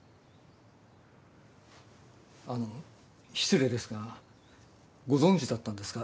あの失礼ですがご存じだったんですか？